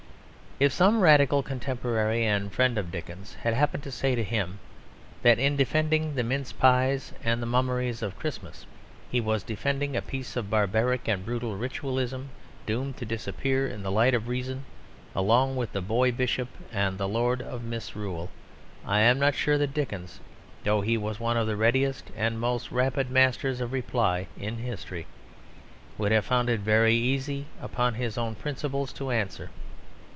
If some Radical contemporary and friend of Dickens had happened to say to him that in defending the mince pies and the mummeries of Christmas he was defending a piece of barbaric and brutal ritualism, doomed to disappear in the light of reason along with the Boy Bishop and the Lord of Misrule, I am not sure that Dickens (though he was one of the readiest and most rapid masters of reply in history) would have found it very easy upon his own principles to answer.